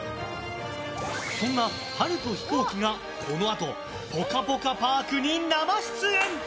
そんな春とヒコーキがこのあとぽかぽかパークに生出演。